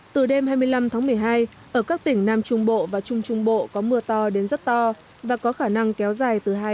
từ đêm hai mươi năm tháng một mươi hai ở các tỉnh nam trung bộ và trung trung bộ có mưa to đến rất to và có khả năng kéo dài từ hai đến